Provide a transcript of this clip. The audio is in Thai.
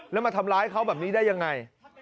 แล้วมาทำร้ายเขาแบบนี้ได้ยังไง